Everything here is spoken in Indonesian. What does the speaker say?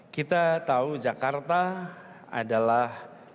kita tahu jakarta adalah